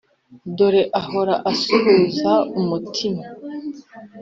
Dore ahora ansuhuza umutima.